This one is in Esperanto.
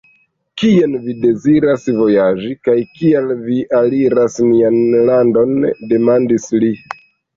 Kien vi deziras vojaĝi, kaj kial vi aliras nian landon? demandis li.